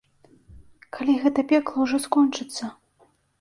Калі гэта пекла ўжо скончыцца?